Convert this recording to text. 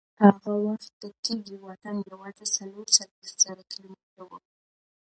هغه وخت د تېږې واټن یوازې څلور څلوېښت زره کیلومتره و.